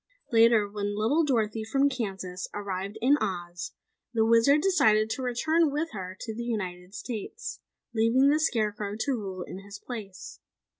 "Later, when little Dorothy from Kansas arrived in Oz, the Wizard decided to return with her to the United States, leaving the Scarecrow to rule in his place.